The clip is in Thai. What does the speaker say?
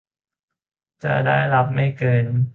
จะได้รับไม่เกิน